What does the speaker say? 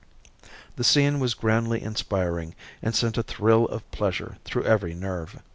The scene was grandly inspiring and sent a thrill of pleasure through every nerve.